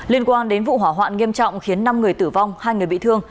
liên quan đến vụ hỏa hoạn nghiêm trọng khiến năm người tử vong hai người bị thương